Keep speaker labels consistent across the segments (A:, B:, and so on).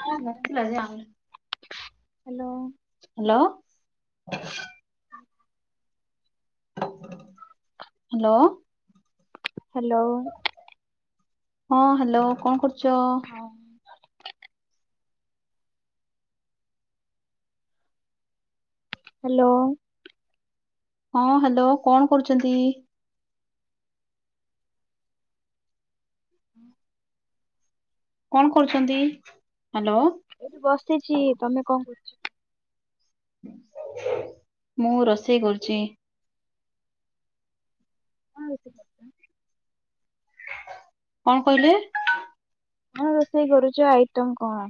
A: ଆମର ନଥିଲା ଯେ ଆଇଁଲୁ
B: ହ୍ୟାଲୋ।
A: ହ୍ୟାଲୋ। ହ୍ୟାଲୋ।
B: ହ୍ୟାଲୋ।
A: ହଁ ହ୍ୟାଲୋ କଅଁ କରୁଛ?
B: ହ୍ୟାଲୋ।
A: ହଁ ହ୍ୟାଲୋ କଣ କରୁଚନ୍ତି?
B: [inaudible]
A: କଣ କରୁଛନ୍ତି ହ୍ୟାଲୋ।
B: ଏଠି ବସିଛି ତମେ କଅଁ କରୁଛ?
A: ମୁ ରୋଷେଇ କରୁଛି।
B: [inaudible]
A: କଣ କହିଲେ?
B: ହଁ ରୋଷେଇ କରୁଛୁ ଆଇଟମ କଣ?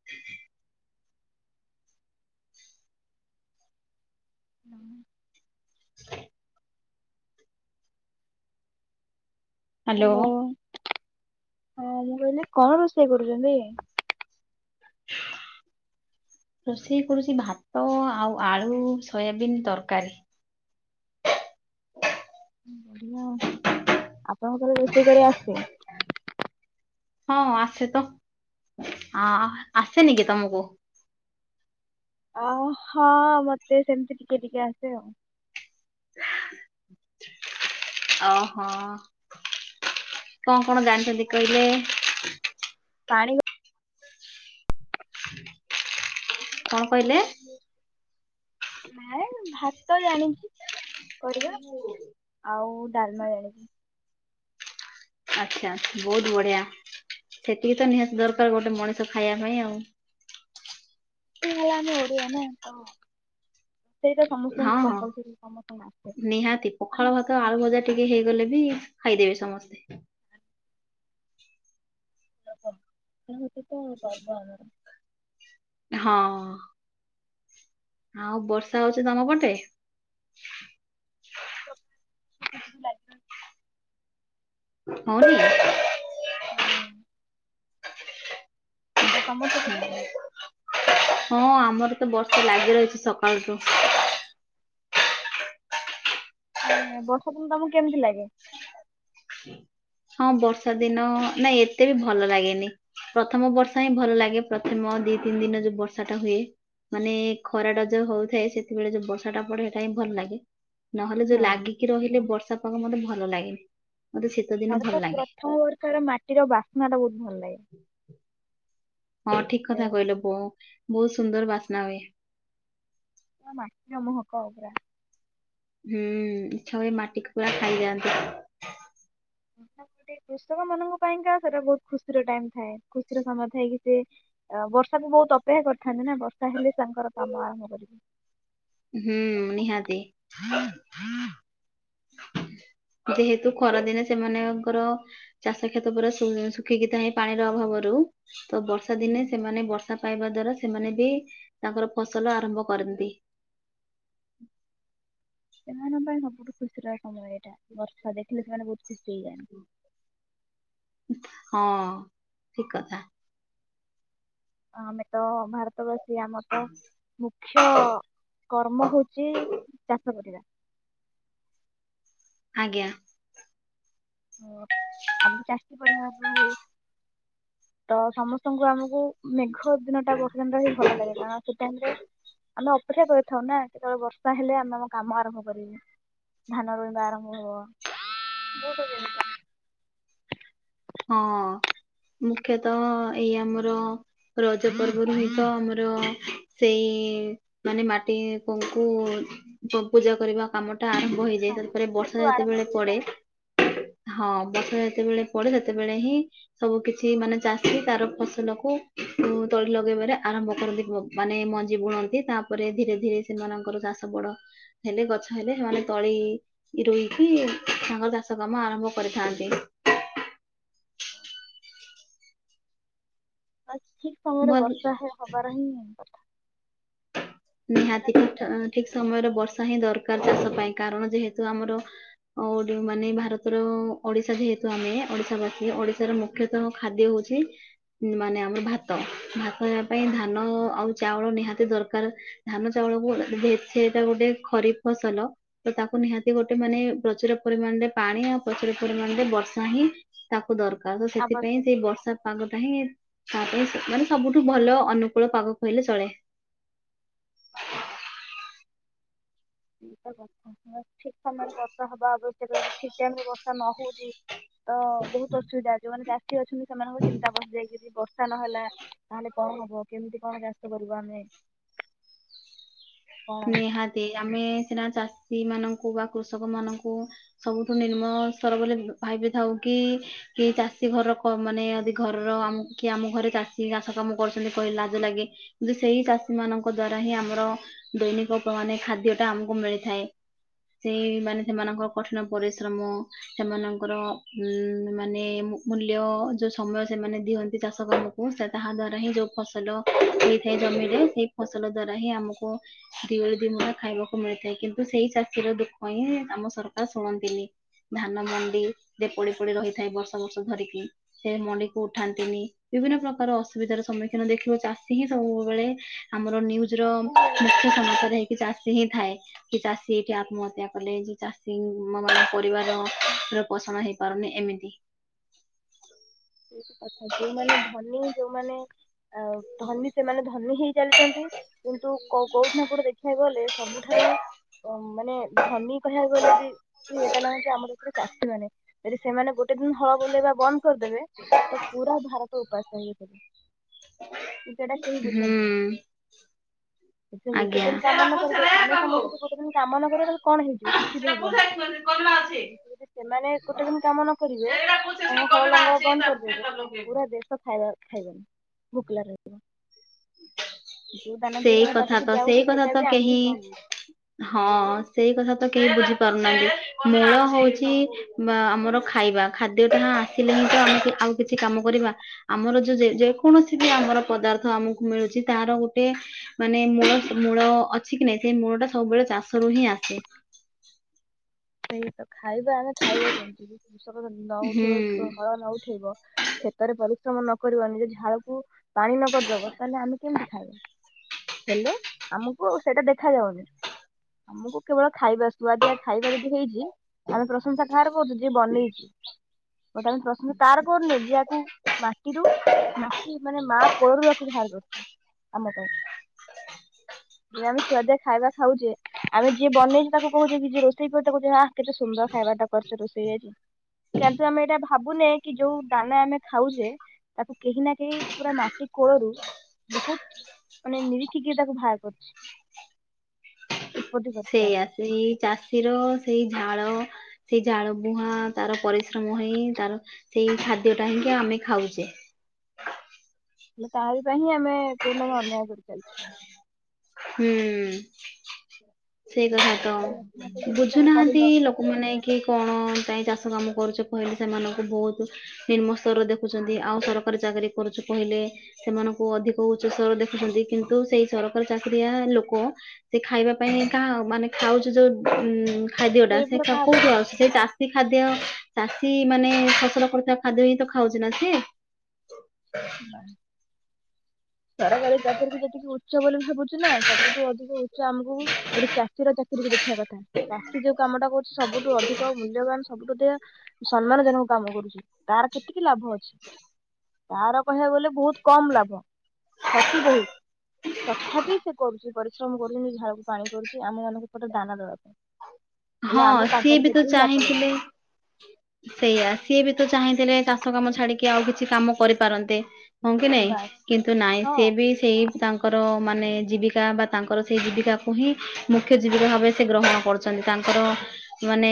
A: [inaudible]
B: [inaudible]
A: [inaudible]
B: ହ୍ୟାଲୋ ହଁ ମୁଁ କହିଲି କଣ ରୋଷେଇ କରୁଛନ୍ତି? [inaudible]
A: ରୋଷେଇ କରୁଛି ଭାତ ଆଉ ଆଳୁ ସୋୟାବିିନ ତରକାରୀ।
B: ବଢିଆ ଆ ଆପଣଙ୍କୁ ରୋଷେଇ କରିଆ ଆସଛି-?
A: ହଁ ଆସେ ତ ଆସେନି କି ତମକୁ।
B: ଅ ହଁ ମତେ ସେମିତି ଟିକେ ଟିକେ ଆସେ ଆଉ।
A: ଓହୋ କଣ କଣ ଜାଣି ଏକ ମିତି କହିଲେ?
B: ପାଣି କ
A: କଣ କହିଲେ।
B: ନାଇଁ ଭାତ ଜାଣିଛି କରିବା ଆଉ ଡାଲମା ଜାଣିଛି।
A: ଆଚ୍ଛା ବହୁତ ବଢିଆ ସେତିକି ତ ନିହାତି ଦରକାର ଗୋଟେ ମଣିଷ ଖାଇବା ପାଇଁ ଆଉ।
B: ହେଲା ଆମେ ଓଡିଆ ନା ତ ସେଇଟା
A: ହଁ
B: ସମସ୍ତଙ୍କୁ
A: ହଁ
B: କମ୍ପଲସରୀ ସମସ୍ତଙ୍କୁ
A: ନିହାତି
B: ଆସେ।
A: ପଖାଳ ଭାତ ଆଳୁ ଭଜା ଟିକେ ହେଇଗଲେ ବି ଖାଇଦେବେ ସମସ୍ତେ।
B: [inaudible]
A: ହଁ। ଆଉ ବର୍ଷା ହଉଛି ତମ ପଟେ।
B: [inaudible]
A: ହଁ ଗି।
B: ହଁ। ଆଉ ତମର ସେ
A: ହଁ ଆମର ତ ବର୍ଷା ଲାଗି ରହିଛି ସକାଳୁଠୁ।
B: ବର୍ଷାଦିନ ତମକୁ କେମିତି ଲାଗେ?
A: ହଁ ବର୍ଷା ଦିନ ନାଇଁ ଏତେ ବି ଭଲ ଲାଗେନି। ପ୍ରଥମ ବର୍ଷା ହିଁ ଭଲ ଲାଗେ ପ୍ରଥମ ଦି ତିନି ଦିନ ଯୋଉ ବର୍ଷା ଟା ହୁଏ। ମାନେ ଖରା ଟା ଯୋଉ ହଉଥାଏ ସେତେବେଳେ ଯୋଉ ବର୍ଷାଟା ପଡେ ହେଟା ହିଁ ଭଲ ଲାଗେ। ନହେଲେ ଯୋଉ
B: ହଁ
A: ଲାଗିକି ରହିଲେ ବର୍ଷା ପାଗ ମତେ ଭଲ ଲାଗେ ମତେ ସେ
B: ମୋତେ ତ ପ୍ରଥମ ବର୍ଷର ମାଟିର ବାସ୍ନା ଟା ବହୁତ ଭଲ ଲାଗେ।
A: ହଁ ଠିକ
B: ସେ
A: କଥା କହିଲ ବୁ ବହୁତ ସୁନ୍ଦର ବାସ୍ନା ହୁଏ।
B: ମାଟିର ମହକ ପୁରା।
A: ଇଚ୍ଛା ହୁଏ ମାଟିକୁ ପୁରା ଖାଇଯାଆନ୍ତି।
B: ଗୋଟେ କୃଷକ ମାନଙ୍କ ପାଇଁକା ସେଟା ବହୁତ ଖୁସି ର ଟାଇମ ଥାଏ ଖୁସିର ସମୟ ଥାଇକି ସେ ଅ ବର୍ଷାକୁ ବହୁତ ଅପେକ୍ଷା କରିଥାନ୍ତି ନା ବର୍ଷା ହେଲେ ତାଙ୍କର କାମ ଆରମ୍ଭ କରି।
A: ହୁଁ ନିହାତି।
B: [inaudible]
A: ଯେହେତୁ ଖରାଦିନେ ସେମାନଙ୍କର। ଚାଷ କ୍ଷେତ ପୁରା ଶୁ ଶୁଖିକି ଥାଏ ପାଣିର ଅଭାବରୁ ତ ବର୍ଷା
B: ହୁଁ।
A: ଦିନେ ସେମାନେ ବ ଆ ପାଇବା ଦ୍ଵାରା ସେମାନେ ବି ତାଙ୍କର ଫସଲ ଆରମ୍ଭ କରନ୍ତି। ହ।
B: ସେମାନଙ୍କ ପାଇଁ ସବୁଠୁ ଖୁସିର ସମୟ ଏଇଟା ବର୍ଷା ଦେଖିଲେ ସେମାନେ ବହୁତ ଖୁସି ହେଇଯାଏନା
A: ହୁଁ। ହଁ ଠିକ କଥା।
B: ଆମେ ତ ଭାରତ ବଷ ସେ ଆମର ତ ମୁଖ୍ୟ କର୍ମ ହଉଚି ଚାଷ କରିବା।
A: ଆଜ୍ଞା।
B: ହ ଆମର ଚାଷୀ ପରିବାର ରୁ ତ ସମସ୍ତଙ୍କୁ ଆମକୁ। ମେଘ ଦିନ ଟା ବର୍ଷା [unintelligible] ଭଲ ଲାଗେ କାରଣ ସେ ଟାଇମରେ ଆମେ ଅପେକ୍ଷା କରିଥାଉ ନା କେତେବେଳେ ବର୍ଷା ହେଲେ ଆମେ ଆମ କାମ ଆରମ୍ଭ କରିବୁ ଧାନ ରୋଇବା ଆରମ୍ଭ ହବ। [inaudible]
A: ହଁ ମୁଖ୍ୟତଃ ଏଇ ଆମର। ରଜ ପର୍ବରୁୁ ହିଁ ତ ଆମର ସେଇ। ମାନେ ମାଟି କଙ୍କୁ ପୂଜା କରିବା କାମ ଟା ଆର ମ୍ଭ ହେଇ
B: ହଁ
A: ଯାଏ ତାପରେ
B: ସେଠୁ
A: ବର୍ଷା
B: ଆରମ୍ଭ
A: ଯେତେବେଳେ
B: ହୁଏ ନା
A: ପଡେ ହଁ ବର୍ଷା ଯେତେବେଳେ ପଡେ। ସେତେବେଳେ ହିଁ। ସବୁ କିଛି ମାନେ ଚାଷୀ ତାର ଫସଲ କୁ ତଳି ଲଗେଇବାରେ ଆରମ୍ଭ କରନ୍ତି ପୁଅକୁ। ମାନେ ମଞ୍ଜି ବୁଣନ୍ତି ତାପରେ ଧୀରେ ଧୀରେ ସେମାନଙ୍କର ଚାଷ ବଡ ହେଲେ ଗଛ ହେଲେ ସେମାନେ ତଳି ରୋଇକି ତାଙ୍କର ଚାଷ କାମ ଆରମ୍ଭ କରିଥାନ୍ତି।
B: ହଁ। ଆଜି କଣ ଗୋଟେ
A: ଭଲ
B: ବର୍ଷା ହବାର ହିଁ କଥା। ନହେଲେ
A: ନିହାତି ଠିକ୍
B: ତାହେଲେ
A: ଠିକ୍
B: ଗୋଟେ
A: ସମୟରେ ବର୍ଷା ହିଁ ଦରକାର ଚାଷ ପାଇଁ କାରଣ ଯେହେତୁ ଆମର। ଓଡି ମାନେ ଭାରତର ଓଡିଶା ଯେହେତୁ ଆମେ ଓଡିଶା ବାସୀ ଓଡିଶାର ମୁ। ମୁଖ୍ୟତଃ ଖାଦ୍ୟ ହଉଛି ମାନେ ଆମର ଭାତ ଭା ତ ହେବା ପାଇଁ
B: ହଁ
A: ଧାନ ଆଉ ଚାଉଳ ନିହାତି ଦରକାର। ଧାନ ଚାଉଳକୁ ଏଭେ ଏତେ ଏତେ ଗୋଟେ ଖରିପ୍ ଫସଲ। ତ ତାକୁ ନିହାତି ଗୋଟେ ମାନେ ପ୍ରଚୁର ପରିମାଣରେ ପାଣି ଆଉ ପ୍ରଚୁର ପରିମାଣରେ ବର୍ଷା ହିଁ ତାକୁ ଦରକାର ତ ସେଥିପାଇଁ
B: ଆବଶ୍ୟକ
A: ସେଇ ବର୍ଷା ପାଗଟା ହିଁ ତା ପାଇଁ ମାନେ ସବୁଠୁ ଭଲ ଅନୁକୂଳ ପାଗ କହିଲେ ଚଳେ।
B: ଏଇଟା କଥା ଠିକ୍ ସମୟରେ ବର୍ଷା ହେବା ଆବଶ୍ୟକ ଯଦି ଠିକ୍ ଟାଇମ ରେ ବର୍ଷା ନ ହଉଛି। ତ ବହୁତ୍ ଅସୁବିଧା ଯୋଉମାନେ ଚାଷୀ ଅଛନ୍ତି ସେମାନଙ୍କ ଚିନ୍ତା ପଶିଯାଇଛି ଏଠି କ ତା ନହେଲା ତାହେଲେ କଣ ହବ କେମିତି କଣ ଚାଷ କରିବା ଆମେ। କଣ
A: ନିହାତି ଆମେ ସିନା ଚାଷୀ ମାନଙ୍କୁ ବା କୃଷକ ମାନଙ୍କୁ ସବୁଠୁ ନିମ୍ମ ସ୍ତର ବୋଲି ଭାବିଥାଉ କି କି ଚାଷୀ ଘରର କ ମାନେ ଯଦି ଘରର ଆମକୁ କି ଆମ ଘରେ ଚାଷୀ ଚାଷ କାମ କରୁଚନ୍ତି କହିଲେ ଲାଜ ଲାଗେ। କିନ୍ତୁ ସେଇ ଚାଷୀ ମାନଙ୍କ ଦ୍ଵାରା ହିଁ ଆମର ଦୈନିକ ପ୍ରମାଣେ ଖାଦ୍ୟ ଟା ଆମକୁ ମିଳିଥାଏ। ସେଇ ମାନେ ସେମାନଙ୍କ କଠିନ ପରିଶ୍ରମ। ସେମାନଙ୍କର ଉଁ ମାନେ ମୂଲ୍ୟ ଯୋଉ ସମୟ ସେମାନେ ଦିଅନ୍ତି ଚାଷ କାମ କୁ ସେ ତାହା ଦ୍ୱାରା ହିଁ ଯେଉଁ ଫସଲ ହୋଇଥାଏ ଜମିରେ ସେଇ ଫସଲ ଦ୍ୱାରା ହିଁ ଆମକୁ ଦି ଓଳି ଦିଇ ମୁଠା ଖାଇବାକୁ ମିଳିଥାଏ କିନ୍ତୁ ସେଇ ଚାଷୀର ଦୁଃଖ ହିଁ ଆମ ସରକାର ଶୁଣନ୍ତିନି। ଧାନ ମଣ୍ଡି ଯେ ପଡି ପଡି ରହିଥାଏ ବର୍ଷ ବର୍ଷ ଧରିକି। ସେ ମଣ୍ଡିକୁ ଉଠାନ୍ତିନି ବିଭିନ୍ନ ପ୍ରକାର ଅସୁବିଧାର ସମ୍ମୁଖୀନ ଦେଖିବ ଚାଷୀ ହିଁ ସବୁବେଳେ ଆମର ନ୍ୟୁଜୁ ର
B: ସବୁବେଳେ
A: ମୁଖ୍ୟ ସମାଚାର ହେଇକି ଚାଷୀ ହିଁ ଥାଏ। କି ଚାଷୀ ଏଠି ଆତ୍ମହତ୍ୟା କଲେ କି ଚାଷୀ ମମାନେ ପରିବାର ପୋଷଣ ହେଇ ପାରୁନି ଏମିତି।
B: ସେ କଥା ଯୋଉମାନେ ଧନୀ ଯୋଉମାନେ ଆଉ ଧନୀ ସେମାନେ ଧନୀ ହେଇ ଚାଲିଚନ୍ତି। କିନ୍ତୁ କୋ କୋଉଠି ନା କୋଉଠି ଦେଖିବାକୁ ଗଲେ ସବୁଠାରୁ ମାନେ ଧନୀ କହିବାକୁ ଗଲେ ଯେ କି ଏଟା ହେଲାନି ଯେ ଆମ ଦୁଃଖରେ ଚାଷୀ ମାନେ ଯଦି ସେମାନେ ଗୋଟେ ଦିନ ହଳ ବୁଲେଇବା ବନ୍ଦ କରିଦେବେ।
A: ହ।
B: ତ ପୁରା ଭାରତ ଉପାସ ରହିବେ ତ। ସେଟା କେହି ବୁଝନ୍ତି
A: ହୁଁ
B: ନି। ସେଥିରେ ଗୋଟେ
A: ଆଜ୍ଞା।
B: ଦିନ
A: ସେଇ
B: କାମ ନ କରିବେ ଆମେ ସମସ୍ତେ ଗୋଟେ ଦିନ କାମ ନ କରିବା କଣ ହେଇଯିବ କିଛି ବି ହବନି।
A: କଲରା ଅଛି।
B: କିନ୍ତୁ ଯଦି ସେମାନେ ଗୋଟେ ଦିନ କାମ ନ କରିବେ ଆମ ହଳ ଲଙ୍ଗଳ ବନ୍ଦ କର ସେଇପରା ପୁରା ଦେଶ ଖାଇବା ଖାଇବନି ଭୋକିଲା ରହିିଯିବ। ଯୋଉ ଦାନା ଟିକେ ତମ
A: କଥା
B: ପାଟିକି
A: ତ ସେଇ
B: ଯାଉଚି
A: କଥା
B: ସେଟା
A: ତ
B: ବି ଆମକୁ
A: କେହି
B: ପାଉନି।
A: ହଁ ସେଇ କଥା ତ କେହି ବୁଝିପାରୁନାହାନ୍ତି। ମେଳ ହୋଉଛି ବା ଆମର ଖାଇବା ଖାଦ୍ୟ ଟା ଆସିଲେ ହିଁ ତ ଆମେ ଆଉ କିଛି କାମ କରିବା। ଆମର ଯେ ଯୋଉ ଯେକୌଣସି ବି ଆମର ପଦାର୍ଥ ଆମକୁ ମିଳୁଛି ତହାର ଗୋଟେ ମାନେ ମୂଳ ମୂଳ ଅଛି କି ନାଇଁ ସେ ମୂଳ ଟା ସବୁବେଳେ ଚାଷରୁ ହିଁ ଆସେ।
B: ସେଇ ତ ଖାଇବା ଆମେ ଖାଇବା କେମତି କୃଷକ ନ
A: ହୁଁ।
B: ଉଠେଇବ ହଳ ନ ଉଠେଇବ କ୍ଷେତରେ ପରିଶ୍ରମ ନ କରିବ ନିଜ ଝାଳକୁ ପାଣି ନ କରିଦବ ତାହେଲେ ଆମେ କେମିତି ଖାଇବା। ହେଲେ ଆମକୁ ସେଇଟା ଦେଖା ଯାଉନି, ଆମକୁ କେବଳ ଖାଇବା ସୁଆଦିଆ ଖାଇବା ଯଦି- ହେଇଛି ଆମେ ପ୍ରଶଂସା କାହାର କରୁଛୁ ଯିଏ ବନେଇଛି। ଗୋଟେ ପ୍ରସଂଶା କାର କରୁନେ ଜିଆକୁ ମାଟିରୁ ମାଟି ମାନେ ମା କୋଳରୁ ଆକୁ ବାହାର କରୁଛି ଆମର ଯେବେ ଆମେ ସୁଆଦିଆ ଖାଇବା ଖାଉଛେ, ଆମେ ଯିଏ ବନେଇଛେ ତାକୁ କହୁଛେ କି ଯିଏ ରୋ ସେଇ ପଟେ କହୁଛି ଆ କେତେ ସୁନ୍ଦର ଖାଇବାଟା କରିଛ ରୋଷେଇ ଆଜି। କିନ୍ତୁ ଆମେ ଏଇଟା ଭାବୁନେ କି ଯୋଉ ଦାନା ଆମେ ଖାଉଛେ ତାକୁ କେହି ନା କେହି ପୁରା ମାଟି କୋଳରୁ ବହୁତ ମାନେ ନିରୀକ୍ଷିକି ତାକୁ ବାହାର କରିଛି।
A: ସେଇଆ ସେଇ ଚାଷୀର ସେଇ ଝାଳ ସେଇ ଝାଳ ବୁହାଁ ତାର ପରିଶ୍ରମ ହେଇ ତାର ସେଇ ଖାଦ୍ୟ ଟା ହିଁକି ଆମେ ଖାଉଛେ।
B: ହେଲେ ତାରି ପାଇଁ ହିଁ ଆମେ କୋଉ ଦିନ ଆମେ ଅନ୍ୟାୟ କରି ଚାଲିଛୁ।
A: ହୁଁ ସେଇ କଥା ତ
B: ମତେ ଯେମିତି ତମେ
A: ବୁଝୁନାହାନ୍ତି
B: କହିଲ
A: ଲୋ ଲୋକ ମାନେ କି କଣ ଯାଇ ଚାଷ କାମ କରୁଛ କହିଲେ ସେମାନଙ୍କୁ ବୋହୁତ୍ ନିମ୍ନ ସ୍ତର ଦେଖୁଛନ୍ତି ଆଉ ସରକାରୀ ଚାକିରି କରୁଛୁ କହିଲେ ସେମାନଙ୍କୁ ଅଧିକ ଉଚ୍ଚସ୍ତର ଦେଖୁଛନ୍ତି କିନ୍ତୁ ସେଇ ସରକାର ଚାକିରିଆ ଲୋକ ସେ ଖାଇବା ପାଇଁ ତାହା ମାନେ ଖାଉଛି ଯୋଉ ଉଁ ଖାଦ୍ୟଟା
B: ନିର୍ଭର
A: ସେଠା
B: କାହା ଉପରେ
A: କୋଉଠୁ ଆସୁଚି
B: କରୁଛନ୍ତି
A: ତା ସେ ଖାଦ୍ୟ ଚାଷୀ ମାନେ ଫସଲ କରୁଥିବା ଖାଦ୍ୟ ହିଁ ତ ଖାଉଛି ନା ସିଏ?
B: ବା ସରକାରୀ ଚାକିରୀକୁ ଯେତିକି ଉଚ୍ଚ ବୋଲି ଭାବୁଛିୁ ନା ସବୁଠୁ ଅଧିକ ଉଚ୍ଚ ଆମକୁ ଗୋଟେ ଚାଷୀର ଚାକିରିୀକୁ ଦେଖିବା କଥା। ଚାଷୀ ଯୋଉ କାମଟା କରୁଛି ସବୁଠୁ ଅଧିକ ମୂଲ୍ୟବାନ ସବୁଠୁ ଅଧିକ ସମ୍ମାନ ଜନକ କାମ କରୁଛି ତାର କେତିକି ଲାଭ ଅଛି। ତାର କହିବାକୁ ଗଲେ ବୋହୁତ୍ କମ ଲାଭ କ୍ଷତି ବୋହୁତ୍। ତଥାପି ସେ କରୁଛି ବ ପରିଶ୍ରମ କରୁଛନ୍ତି ଝାଳ କୁ ପାଣି କରୁଛି ଆମେ ମାନଙ୍କୁ ପେଟରେ ଦାନା ଦେବା ପାଇଁ। ହେଲେ
A: ହଁ
B: ଆମେ
A: ସିଏ
B: ତାଙ୍କର
A: ବି ତ
B: କେତେ ହିଁ ଲାତ
A: ଚାହିଁଥିଲେ
B: ଲଗୁଛୁ
A: ସେଇଆ ସିଏ ବି ତ ଚାହିଁଥିଲେ ଚାଷ କାମ ଛାଡିକି ଆଉ କିଛି କାମ କରିପାରନ୍ତେ। ହଁ କି ନାଇଁ
B: ବାସ୍
A: କିନ୍ତୁ ନାଇଁ
B: ହଁ
A: ସେଏ ବି ସେଇ ତାଙ୍କର ମାନେ ଜୀବିକା ବା ତାଙ୍କର ସେହି ଜୀବିକାକୁ ହିଁ ମୁଖ୍ୟ ଜୀବିକା ଭାବେ ସେ ଗ୍ରହଣ କରୁଛନ୍ତି। ତାଙ୍କର ମାନେ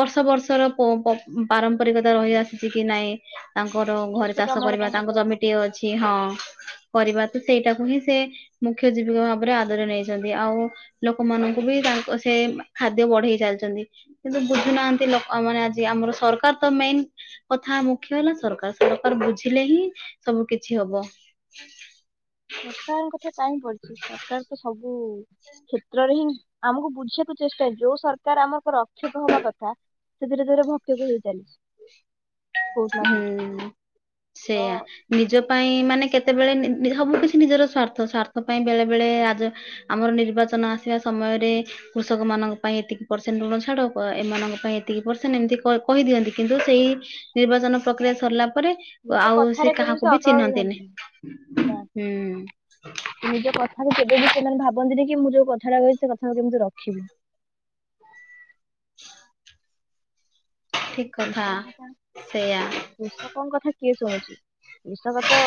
A: ବର୍ଷ ବର୍ଷର ପ ପ-ପାରମ୍ପରିକତା ରହିଆସିଛି କି ନାଇଁ ତାଙ୍କର ଘରେ
B: କେତେ
A: ଚାଷ
B: ପ୍ରମାଣ
A: କରିବା ତାଙ୍କ
B: ତାଙ୍କର
A: ଜମିଟିଏ ଅଛି ହଁ କରିବା ତ ସେଇଟାକୁ ହିଁ ସେ ମୁଖ୍ୟ ଜୀବିକା ଭାବରେ ଆଦର ନେଇଛନ୍ତି ଆଉ ଲୋକମାନଙ୍କୁ ବି ତାଙ୍କ ସେ ଖାଦ୍ୟ ବଢେଇ ଚାଲିଛନ୍ତି କିନ୍ତୁ ବୁଝୁନାହାନ୍ତି ଲ ମାନେ ଆଜି ଆମର ସରକାର ତ ମେନ୍ କଥା ମୁଖ୍ୟ ହେଲା ସରକାର ସରକାର ବୁଝିଲେ ହିଁ ସବୁ କିଛି ହବ।
B: ସରକାରଙ୍କ କଥା କାହିଁ ପଡିଛି ସରକାର ତ ସବୁ କ୍ଷେତ୍ରରେ ହିଁ, ଆମକୁ ବୁଝିବାକୁ ଚେଷ୍ଟା ଯୋଉ, ସରକାର ଆମରକ, ରକ୍ଷକ ହବା କଥା ସେ ଧୀରେ ଧୀରେ ଭକ୍ଷକ ହେଇ ଚାଲିଛି, କୋଉଠି ନା କୋଉଠି।
A: ହୁଁ।
B: ତ
A: ସେଇଆ ନିଜ ପାଇଁ ମାନେ କେତେବେଳେ ନି-ନିଜ ସବୁ କିଛି ନିଜର ସ୍ଵାର୍ଥ। ସ୍ୱାର୍ଥ ପାଇଁ ବେଳେ ବେଳେ ଆଜ ଆମର ନିର୍ବାଚନ ଆସିବା ସମୟରେ କୃଷକ ମାନଙ୍କ ପାଇଁ ଏତିକି ପରସେଣ୍ଟ ଋଣ ଛାଡ। ଏମାନଙ୍କ ପାଇଁ ଏତିକି ପରସେଣ୍ଟ, ଏମିତି କ-କହିଦିଅନ୍ତି। କିନ୍ତୁ ସେଇ ନିର୍ବାଚନ ପ୍ରକ୍ରିୟା ସରିଲା ପରେ
B: ନିଜ
A: ଆଉ, ସେ
B: କଥାରେ କେବେ
A: କାହାକୁ ବି
B: ଅଟଳ
A: ଚିହ୍ନନ୍ତିନି
B: ରୁହନ୍ତିନି। ନା
A: ହୁଁ।
B: ନିଜ କଥାରେ କେବେ ବି ସେମାନେ ଭାବନ୍ତିନି କି, ମୁଁ ଯୋଉ କଥାଟା କହିଛି, ସେ କଥା କେମିତି ରଖିବି?
A: ଠିକ୍।
B: କୃଷକ କଥା, କୃଷକଙ୍କ କଥା କିଏ ଶୁଣୁଚି? କୃଷକ ତ-ଅ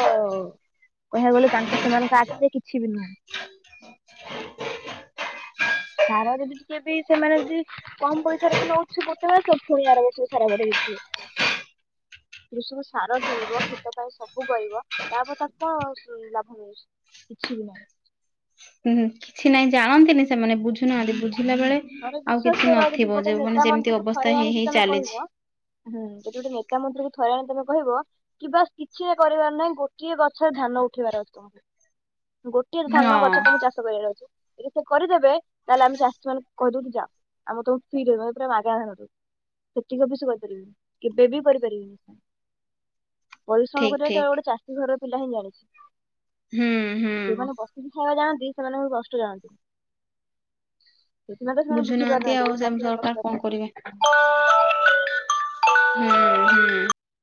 B: କହିଆକୁ ଗଲେ, ତାଙ୍କ ସେମାନଙ୍କ ଆଖିରେ କିଛି ବି ନୁହୁଁ। ସାର ଯଦି ଟିକେବି ସେମାନେ ଯଦି କମ୍ ପଇସାରେ ବି ନଉଛି, ସେ ଗୋଟେ ମାସ। ଫୁଣି ଆର ବର୍ଷକୁ ସାର ବଢେଇ ଦେଇଥିବେ। କୃଷକ ସାର କିଣିବ, କ୍ଷେତ ପାଇଁ ସବୁ କରିବ। ତା'ପରେ ତାକୁ କଣ ସ ଲାଭ ମିଳୁଛି, କିଛି ବି ନାହିଁ।
A: ହୁଁ, ହୁଁ କିଛି ନାହିଁ ଜାଣନ୍ତିନି ସେମାନେ। ବୁଝୁନାହାଁନ୍ତି, ବୁଝିଲା ବେଳେ
B: ଥରେ
A: ଆଉ
B: ବିଶ୍ଵାସ
A: କିଛି
B: କର, ଯଦି
A: ନଥିବ
B: ଗୋଟେ
A: ଯୋଉ ମାନେ
B: ନେତା
A: ଯେମିତି
B: ମନ୍ତ୍ରୀକୁ
A: ଅବସ୍ଥା
B: ଥରେ
A: ହେଇ
B: ଆଣିକି
A: ହେଇ
B: ତମେ
A: ଚାଲିଛି।
B: କହିବ! ହୁଁ, ଯଦି ଗୁଟେ ନେତା ମନ୍ତ୍ରୀକୁ ଥରେଆଣି ତମେ କହିବ! କିବା କିଛି ବି କରିବାର ନାହିଁ। ଗୋଟିଏ ଗଛରେ ଧାନ ଉଠେଇବାର ଅଛି ତମକୁ। ଗୋଟେ ଧାନ
A: ହଁ
B: ଗଛ ତମକୁ ଚାଷ କରିବାର ଅଛି। ଯଦି ସେ କରିଦେବେ, ତାହେଲେ ଆମେ ଚାଷୀ ମାନକୁ କହିଦଉ ତୁ ଯାଅ, ଆମର ତମ ଫ୍ରୀରେ ପୁରା ମାଗେଣା ରେ ଆଣୁଚୁ। ସେତିକ ବି ସେ କରିପାରିବେନି? କେବେ ବି କରିପାରିବେନି ସେ। ପରିଶ୍ରମ
A: ଠିକ
B: କରିବା କେବଳ
A: ଠିକ
B: ଗୋଟେ ଚାଷୀ ଘର ପିଲା ହିଁ ଜାଣିଛି।
A: ହୁଁ ହୁଁ
B: ଯୋଉଁମାନେ ବସ୍ ହଳ ଯାଆନ୍ତି, ସେମାନଙ୍କୁ କଷ୍ଟ ଜାଣନ୍ତି। ସେଥିପାଇଁ ତ ସେମାନେ ବୁଝି
A: ବୁଝୁନାହାନ୍ତି
B: ପାରୁନାହାଁନ୍ତି,
A: ଆଉ
B: ଗୋଟେ
A: ସେ
B: ଚାଷୀ କି
A: ସରକାର
B: କଷ୍ଟ
A: କଣ କରିବେ
B: ଦିଅନ୍ତି।
A: ହୁଁ, ହୁଁ।